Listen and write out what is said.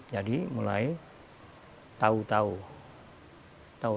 jadi mulai tau tau